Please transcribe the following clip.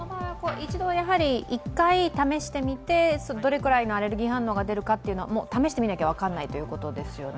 １回試してみて、どれくらいのアレルギー反応が出るか試してみなきゃ分かんないということですよね。